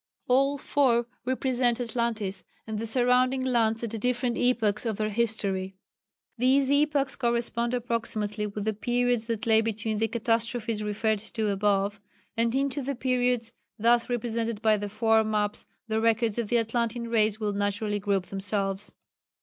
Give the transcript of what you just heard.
All four represent Atlantis and the surrounding lands at different epochs of their history. These epochs correspond approximately with the periods that lay between the catastrophes referred to above, and into the periods thus represented by the four maps the records of the Atlantean Race will naturally group themselves.